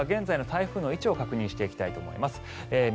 まずは現在の台風の位置を確認していきたいと思います。